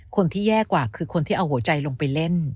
คนที่แย่กว่าคือคนที่เอาหัวใจลงไปเล่น